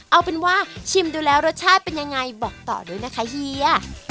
เอาเป็นว่าชิมดูแล้วรสชาติเป็นยังไงบอกต่อด้วยนะคะเฮีย